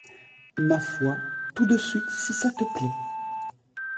Ma foi, tout de suite, si ça te plaît.